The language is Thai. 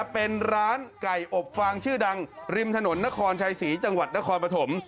เป็นร้านไก่อบฟางชื่อดังริมถนนนครชัยศรีจังหวัดนครปฐม